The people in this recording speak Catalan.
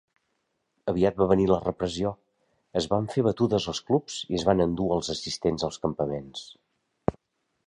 Aviat va venir la repressió: es van fer batudes als clubs i es van endur els assistents als campaments.